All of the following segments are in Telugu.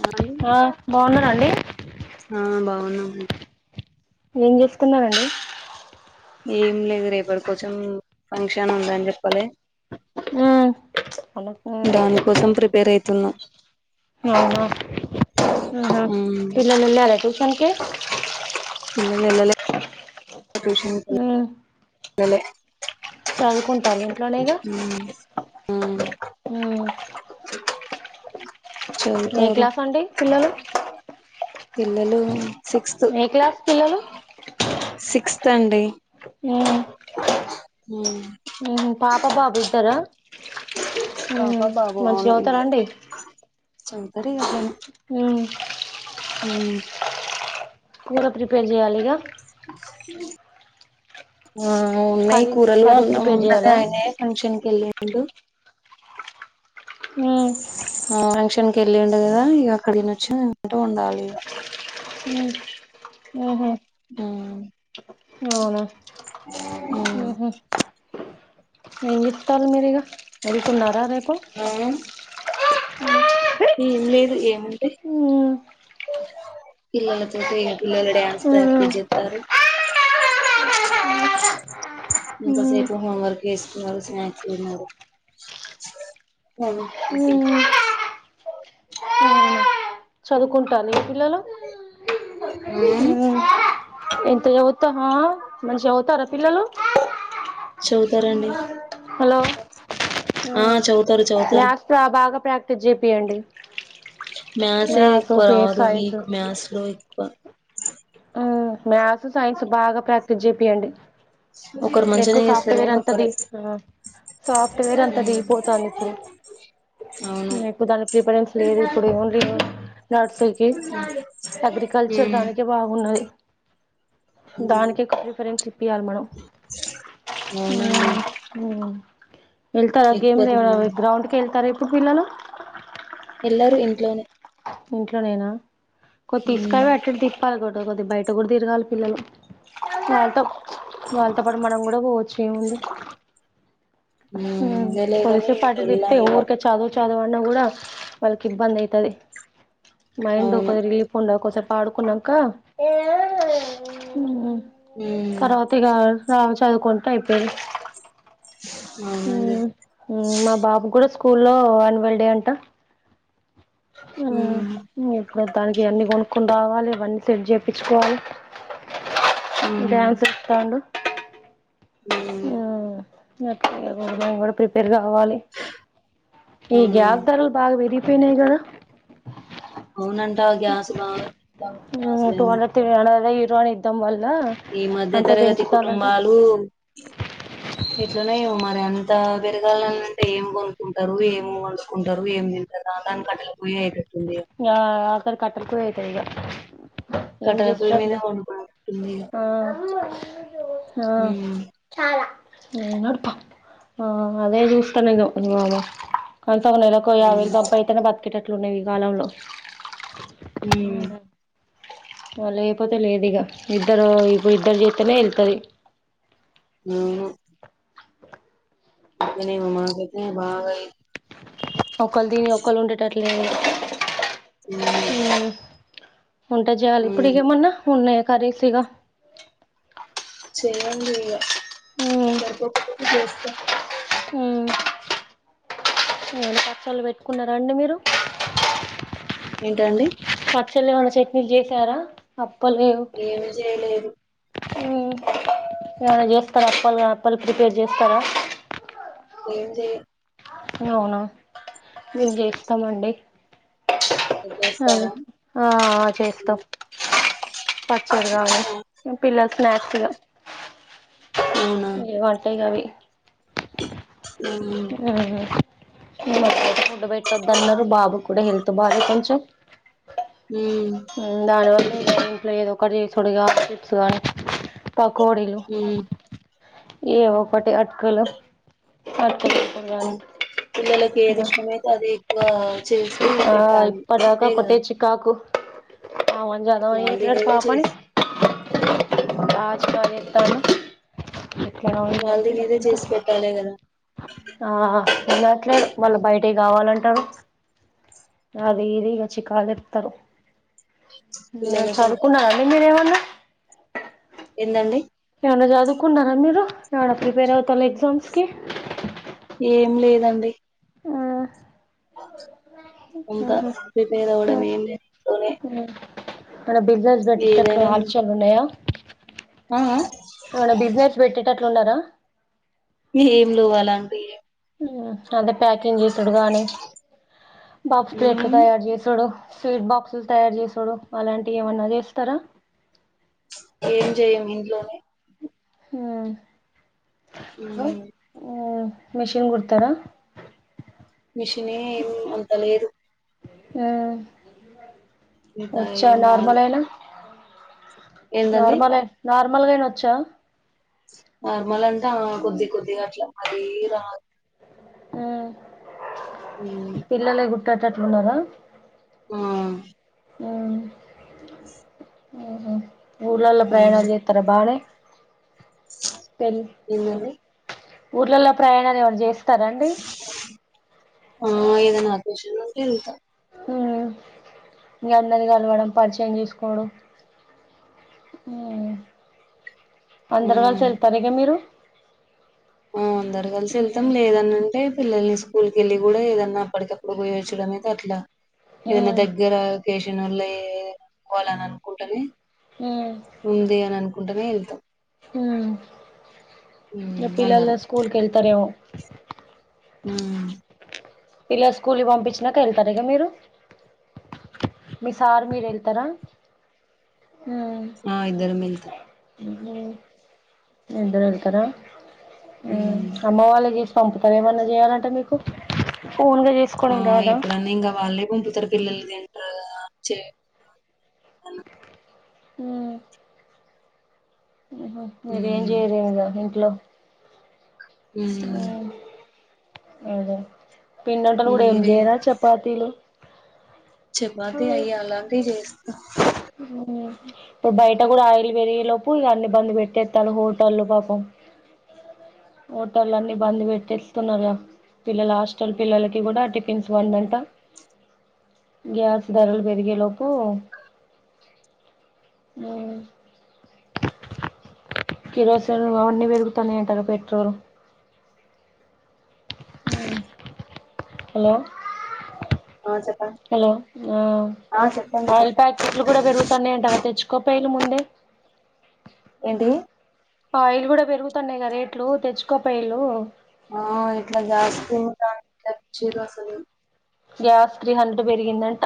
అ అండి ఆ బాగున్నారండి ఆ బాగున్నాం ఏం చేస్తున్నారండి ఏం లేదు రేపటి కోంచం ఫంక్షన్ ఉందని అని చెప్పాలే అలా దాని కోసం ప్రిపేర్ అయతున్నాం అవునా ఉమ్, పిల్లలేళ్లరా ట్యూషన్ కీ పిల్లలు వెళ్ళలే ట్యూషన్ అ చదువుకుంటను ఇంట్లోనేగా ఉమ్, ఆ, ఏ చదువుతారు క్లాస్ అండి పిల్లలు పిల్లలు సిక్స్త్ ఏ క్లాస్ పిల్లలు సిక్స్త్ అండి హ హ పాప బాబు ఇద్దార పాప మంచిగా అవుతారాండి సంతార అబం ఉ హ కూర ప్రి పే చేయాలిగా ఆ ఉన్నాయి కర్రీ కూరలు కర్రీ అన్న ప్రిపేర్ ఉన్నది చేయాలా ఆయనే ఫంక్షన్ క వెళ్ళి ఉండా ఆ [unintelligible] పన్కి వెళ్ళిండు కదా ఇగ అక్కడి నుంచో ఇంట్లో వండాలి ఇగ ఉహు ఉమ్ అవునా ఉమ్ ఉహు ఏం జెత్తాల్లు మీరు ఇగ ఎల్తున్నర రేపు ఆ హి ఏం లేదు ఏమి ఉమ్ పిల్లతోటే ఏడ్ పిల్లలు డాన్స్ ప్రాక్టీస్ చేత్ తరు. ఇంతసేపు హోంవర్క్ ఎసుకున్నరు. స్నాక్స్ తిన్నరు మార్నింగ్ లేసి చదువుకుంటాని పిల్లలు ఆ ఉమ్ ఎంత చవుతా ఆ మంచిగ చవుతారా పిల్లలు చవుతరండి ఆ ఆ చౌత్ మ్యాథ్స్ ప్రా బాగా ప్రాక్ తెజేపియండి. మ్యాసే ఎక్కువ రాదు వీక్ మ్యాథ్స్ లో బ ఆ మ్యాస్ సైన్స్ బాగ ప్రాక్ జేపియండి. ఒకరు ఎక్కువ మంచిగనే చేస్తారు సాఫ్ట్వేర్ కానీ ఒకరే అంతదిగి సాఫ్ట్వేర్ అంత ఉమ్ దిగిపోతంది. అవును ఇప్పుడు దానికి ప్రిపరెన్స్ లేదు ఇప్పుడు ఓన్లీ నర్సుకి అగ్రికల్చర్ ఉమ్ దానికి ఉన్నాది. ఉమ్ దానికే ఎక్కువ ఫ్రీఫరెన్స్ ఇప్పియాలి. మనం అవునండి మ్ మ్ వెళ్తారా ఎక్కువ గేమ్లే తినాలి గ్రౌండ్ కే వెళ్తార కూబ్ పిల్లలు పిల్లలు ఇంట్లోనే ఇంట్లోనేనా కొ తీస్కారా అట్లోటియి పల్గొ టోకొద్ది బయట కూడా తిరగాలి. పిల్లలు వాళ్ళతో వాళ్ళతో పాటు మనం కూడా పోవ చేముంది. హ్మ కొదిస అదేలేగాని పటి ఎల్లా దిప్తే ఇగ ఊరుక చదు చదవడం కూడా వాళ్ళకి ఇబ్బంది అయితది మైండ్ అవును ఒక రిలీఫ్ ఉండ ఒకసార పాడుకున్నాక ఉమ్ తర్వాత ఇగ రాజ్ చదువుకుంటా అయిపాయ అవునండి హ్మ మా బాబు కూడా స్కు స్కూల్లో యాన్వల్ డే అంట హ్మ హ్మ్ హ్మ మొత్తానికి అన్నీ కొనుక్కొని రావాలి ఇవన్నీ సెట్ చెపించుకోవాలి హ్మ్ డ్యాన్స్ ఇస్తాండు ఉ [unintelligible] ప్రిపేర్ కా కావాలి ఈ అవునా గ్యాస్ ధరలు బాగా పెరిగ పోనయ్గదా అవునంటా గ్యాస్ బాగా పెరుగుతాందంట హ్మ టూ అసలేం హండ్రెడ్ [unintelligible] ఇరువని తంబల్ ఈ మధ్య తరగతి కుటుంబాలు ఇట్లనే మరి అంత పెరగాలని అంటే ఏం కొనుక్కుంటారు ఏం వండుుకుంటారు ఏం తింటారా దానికి కట్టలిపొయ్యె అయితది ఆ అక్కర కట్టాలపోయి ఇగ కట్టాలపోయి మీద వంబడి ఉంటుంది ఇగ హ్మ్ హా ఆ అదే చూస్తున్నేగా అంత ఒక నెలకు ఒక యాభైవేలు సంపాయిస్తే నే బతికేట్టటు ఇట్లున్నాయివి కాలంలో హ్మ లేకపోతే లేదు ఇక ఇద్దరు ఇప్పు ఇద్దరు చేస్తేనే వెళ్తది అవును ఇతనే మ మాకి అయితే బాగా ఒకళ్ళు దీని ఒకళ్ళ ఉండేటట్టు లేదు అవునా ఉంటా జాలు ఇప్పుడు ఇగా ఏమన్నా ఉన్నాయా కర్రీస్ ఇగా చెయ్యండిగా సరిపోకపో చేస్తా ఉమ్ ఏమన్నా పచ్చళ్ళు పెట్టుకున్నారండి మీరు ఏంటండి పచ్చలే ఏమన్న చట్నీలు చేసారా ఏమి చేయలేదు ఏమన్నా చేస్తారా అప్పాలు కా అప్పాలు ప్రిపేర్ చేస్తారా ఏం చేయ అవునా మేం చేస్తామండి చేస్తారా ఆ చేస్తాం పచ్చడి గానీ పిల్లలు స్నాక్స్ గా అవునా ఏమో అంటే ఇగ అవి ఉమ్ ఉ నమస్తే ఫుడ్ పెట్టొదు అన్నారు బాబు కూడా హెల్త్ బాలే కొంచెం ఉమ్ దానివల్లే ఇంట్లో ఏదో ఒకటి చేసుడిగా చిప్స్ గాని పకోడీలు ఉమ్ ఏ ఒకటి అటుకులు అటుకులు చేసుడు గాని పిల్లలకి ఏది ఇష్టమైతే అది క చేసి ఆ పెట్టాలి ఇప్పటిదాకా అంతే గదా ఆమన్ చదవా వెయిట్ లెస్ పాపని చేసి రాజు ఫోన్ చేస్తాండు ఇంట్లోనే ఉన్నాడో వాళ్ళు తినేదే పిలుద్దాం చేసి పెట్టాలే కదా ఆ వినట్లేడు వాళ్లు బయట టే కావాలంటారు అది ఇది ఇగ చికాకు లేపుతారు పిల్లలకు చదువుకున్నారా అండి మీరేమన్నా ఏందండి చదువుకున్నారా మీరు ఏదన్న ప్రిపేర్ అవుతార్రా ఎగ్జామ్స్కి ఏం లేదండి ఇంకా ఆహా ప్రిపేర్ అవ్వడం ఆ ఏమీ లేదు ఇంట్లోనే ఏమన్నా బిజినెస్లు పెట్టేటట్టు ఏదైనా ఆలోచనలు ఉన్నాయా ఆ ఆ ఏమన్నా బిజినెస్ పెట్టేట టట్లుండార ఏం లో వాల అంపిఏ అదే ప్యాకింగ్ జేసాడు గానీ బాక్స్ లు ఎట్లా ఉమ్ తయారు చేసిడో స్వీట్ బాక్సులు తయారు చేసిడు అలాంటివి ఏమన్నా జేస్తారా ఏం జెయ్యం ఇంట్లోనే హా [unintelligible] మెషన్ గుడతారా మిషినే ఏం అంత లేదు ఆ అంత వచ్చా ఏం రాదు నార్మల్ అయనా ఏందండి నార్మల్ ఏ నార్ నార్మల్ గైన వచ్చా నార్మల్ అం కొద్ది కొద్దిగా అట్ల అది రాద్ ఆ హ్మ్ పిల్లలే గుట్ కడతట్లు ఉన్నారా ఆ ఉహు ఊర్లల్లో ప్రయాణాలు ఉమ్, జేత్తారా బానే పెళ్ ఏందండి ఊర్లలో ప్రయాణాలు ఏమన్న జేస్ ఆ ఏదన్నా [unintelligible] ఎల్తా ఉ ఇంగ అందరిని కలవడం పరిచయం జేసుకోవడం అందరు హ్మ్ గలసి వెళ్తార ఇగ మీరు ఆ అందరు గలిసి వెళ్తాం ఉమ్ లేదన్న అంటే పిల్లల్ని స్కూల్ కి వెళ్ళి గుడా ఏదన్నా అప్పటికప్పుడు పోయెసుడు అట్లా ఏదన్న దగ్గర అకే [unintelligible] వాలని అనుకుంటది వుందే అను అనుకు కుంటనే వెళ్తాం హు ఎప్ హ్మ్ పిల్లల అందరం స్కూల్ కేళ్తారే ఎవ్ ఉ పిల్లల స్కూల్ కి పంపించినాక ఎళ్తారా ఇగ మీరు మీ సార్ మీరు వెళ్తారా ఉమ్ ఆ ఇద్దరం మెల్తం ఇద్దరు ఎళ్తారా ఉమ్ హ్మ్ అమ్మ వాళ్ళు గిట్ల్ పంపుతార ఏమన్నా చేయాలంటె మీకు ఓన్గా చేసుకోడం రాదా వంపుతారు పిల్లల్ తింటరు గద చె హు మీరు ఏం హ్మ్ చేయలేరు గా దిన్ ట్లో ఈసిగుంది ఏదో పిండి వంటలు కూడా ఏం మీరేం చేయరా చపాతీలు చెపాతీ అయి అలాంటి జేస్ హ్ ఇప్పు బయట కూడా ఆయిలు పెరిగేలోపు ఇగ అన్ని బందు పెట్టేత్తరు హోటల్లు పాపం హోటల్లు అన్ని బంద్ పెట్టే తూన్నరుగా పిల్లల హాస్టల్ పిల్లలకి కూడా టిఫిన్స్ వందంట గ్యాస్ ధరలు పెరిగేలోపు మో కిరోసి తేల్ అవన్నీ పెరుగుతన్నయి అంటాగా పె ట్రోల్ ఉమ్ హలో ఆ చెప్పండి హలో ఆ ఆ చెప్పండి ఆయిల్ చెప్పండి ప్యాకిట్లు కూడా పెరుగుతన్నయంటగ తెచ్చుకో పేలు ముందే ఏంటీ ఆయిల్ గూడ పెరుగుతున్నయి గ రేట్లు తెచ్చుకోపేల్లు నాకు తేచ్చీరసలు గ్యాస్ త్రీ హండ్రెడ్ పెరిగిందంట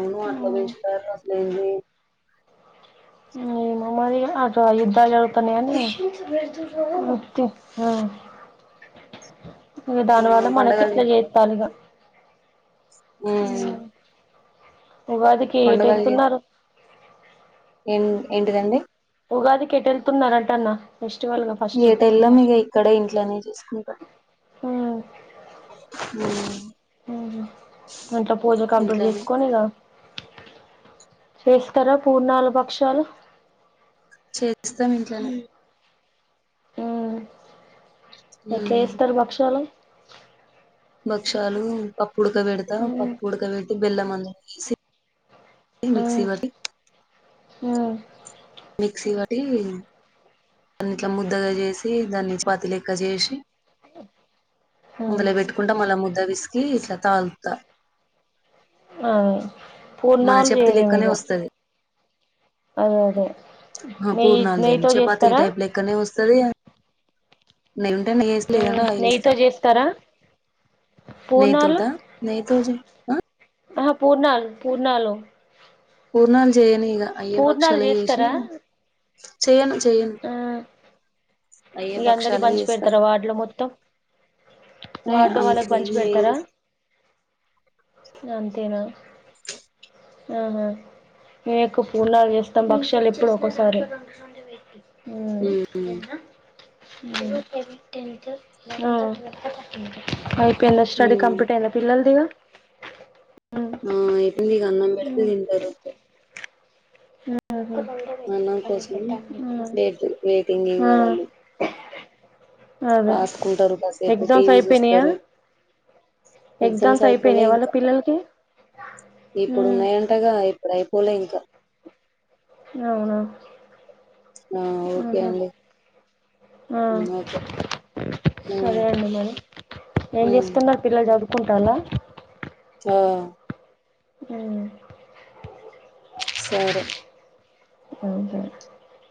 ఏమో అట్లా పెంచుతారు అట్లయింది మమ్మది ఇగ అటా యుద్ధాలు జరుగుతయని ఊ తీప్ ఆ ఊ దాని ఆ, వల్ల మనకి ఇట్లా జేత్తరు ఇగ ఊ ఉగాదికి ఎటు ఎళ్తున్నారు ఏన్ ఏంటిదండి ఉగాది కేటుళ్తున్నారంటన్న ఏటెల్లము ఇగ ఇక్కడే ఇంట్లోనే చూసుకుంటమ్. ఊ ఊ ఊ హు ఇంట్లో పూజ కంప్లీట్ ఇంట్లోనే జేసుకొని ఇగ. చేస్తర పూర్ణాలు బక్షాలు చేస్తాం ఇంట్లనే ఎట్ల ఉమ్, జెస్తరు బక్షాలు భక్షాలూ పప్పు ఉడక వెడత పప్పు అదే పుడక వెట్టి బెల్లం ఈ సి ప్ ఈ మిక్సీ వట్టి మిక్సీ వటీ అన్ని ఇట్ల ముద్దగా జేసి దాన్ని చపాతి లెక్క జేసి అందులో భెట్కుంట మల్ల ముద్ద విస్ [unintelligible] అ పూన్నాలు చపాతి చేరి లెక్కనే మగ వస్తది అదే అదే నెయ్యి పూర్ణాల దేని నెయ్యితో చపాతి చేస్తారా టైప్ లెక్కనే వస్తుంది నెయ ఉంటే నయేస్త లేదంట ఆయిలు ఇస్తా నెయ్యితో చేస్తారా నెయ తోట పూర్ణాలు నెయతో ఆ ఆ పూర్ణలు పూర్ణలో పూర్ణలు చేయని ఇ అయ్య బక్షలు చేసి చేస్తారా చేయను చేయను ఇ అందరి పంచి పెడతారా వార్డులో మొత్తం ఏ వార్డు వాళ్ళకి అంతేం పంచి పెడతారా లేదు అంతేనా. ఆహా మేకు పూడాలు చేస్తాం భక్ష్యాలు ఎప్పుడు ఒకసారి. ఉ హ అయిపోయిన్న స్టడీ ఉమ్ కంప్లీట్ అయినా పిల్లదిగ. ఆ గా అన్నం పెడితే తింటారు అన్నం కోసం డిగ్రీ వెట్ వెయిటింగ్ ఆ ఇకా వాళ్ళు అదే రాసుకుంటారు కాసేపు ఎగ్జామ్స్ టీవీ అయిపోయినాయా చూస్తారు ఎగ్జామ్స్ అయిపోలే అయిపోయినాయా వాళ్ళ ఇంకా పిల్లలకి ఇప్పుడు ఉన్నాయంటగా ఇప్పుడు అయిపోలే ఇంకా అవునా ఆ ఓకే ఆహ, అండి ఆ ఉమ్, ఓకే ఉమ్, సరే అండి మరి ఏం ఉమ్, చేసుకున్నారు పిల్లలు చదువుకు ఉంటాను ఆహ్ అ [inaudible] సరే అవుకా [inaudible]